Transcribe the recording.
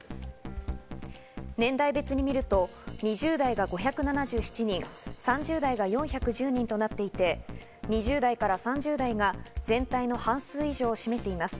年代別にみると２０代が５７７人、３０代が４１０人となっていて、２０代から３０代が全体の半数以上を占めています。